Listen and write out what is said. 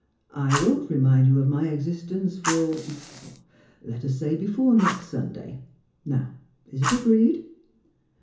I won't remind you of my existence for let us say before next Sunday. Now, is it agreed?"